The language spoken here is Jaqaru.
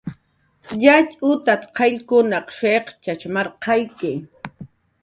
"Yatxutat"" qayllkunaq shiq' nurarqayki"